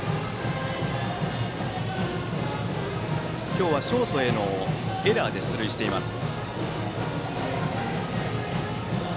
今日はショートへのエラーで出塁しています。